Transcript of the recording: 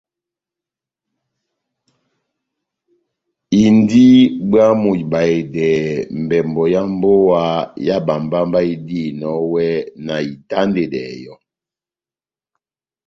Indini bwámu ibahedɛ mbɛmbɔ yá mbówa yá bámbámbá idihinɔni iwɛ na itandedɛ yɔ́.